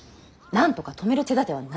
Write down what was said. なんとか止める手だてはないの。